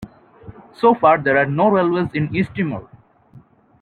So far there are no railways in East Timor.